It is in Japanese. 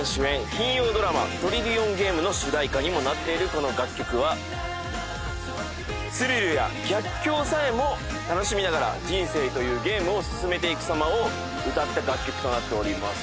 金曜ドラマ「トリリオンゲーム」の主題歌にもなっているこの楽曲はスリルや逆境さえも楽しみながら人生というゲームを進めていくさまを歌った楽曲となっております